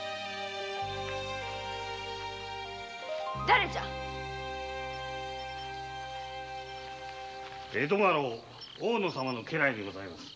だれじゃ江戸家老・大野様の家来にございます。